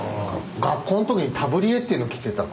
学校の時にタブリエっていうのを着てた。